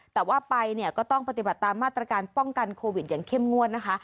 แต่ว่าไปเนี่ยก็ต้องปฏิบัติตามมาตรการป้องกันโควิดอย่างเข้มงวดนะคะ